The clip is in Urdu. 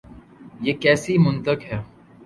یہ کیسی منطق ہے؟